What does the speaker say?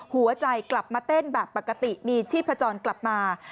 กลับมาเต้นแบบปกติมีชีพจรกลับมา